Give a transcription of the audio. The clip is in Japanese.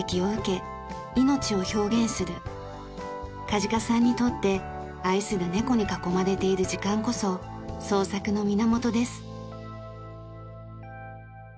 梶賀さんにとって愛する猫に囲まれている時間こそ創作の源です。